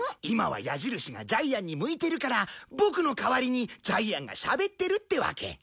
今は矢印がジャイアンに向いてるからボクの代わりにジャイアンがしゃべってるってわけ。